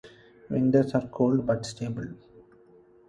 Winters are cold but stable.